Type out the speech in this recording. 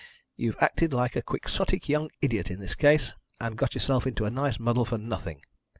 You've acted like a quixotic young idiot in this case, and got yourself into a nice muddle for nothing.